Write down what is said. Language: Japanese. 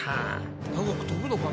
長く飛ぶのかな？